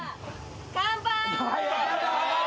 乾杯！